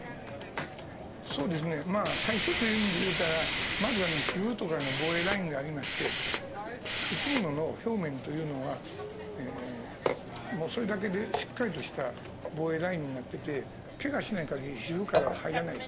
そうですねまあ最初という意味で言うたらまず皮膚とかの防衛ラインがありまして生き物の表面というのはもうそれだけでしっかりとした防衛ラインになっててけがしない限り皮膚からは入らない。